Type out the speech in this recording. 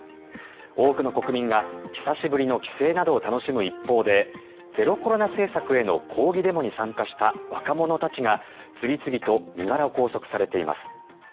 多くの国民が久しぶりの帰省などを楽しむ一方でゼロコロナ政策への抗議デモに参加した若者たちが次々と身柄を拘束されています。